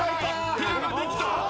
ペアができた！